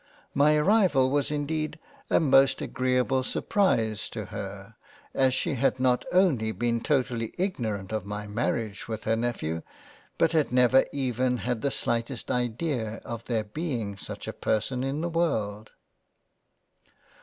My arrival was indeed a most agreable surprise to her as she had not only been totally ignorant of my Marriage with her II ^ JANE AUSTEN Nephew, but had never even had the slightest idea of there being such a person in the World.